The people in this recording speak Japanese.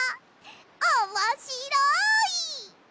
おもしろい！